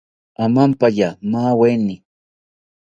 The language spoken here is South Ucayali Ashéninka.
Amampaya maaweni